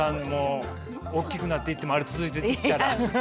もう大きくなっていってもあれ続いていたら。